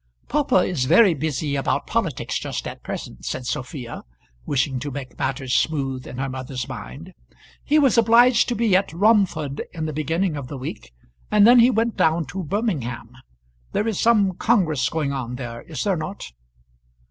"Papa is very busy about politics just at present," said Sophia, wishing to make matters smooth in her mother's mind. "He was obliged to be at Romford in the beginning of the week, and then he went down to Birmingham. There is some congress going on there, is there not?"